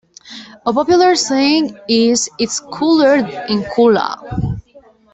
A popular saying is "It's cooler in Kula".